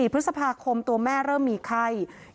พฤษภาคมตัวแม่เริ่มมีไข้